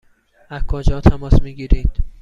از کجا تماس می گیرید؟